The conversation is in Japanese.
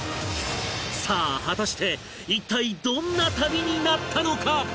さあ果たして一体どんな旅になったのか？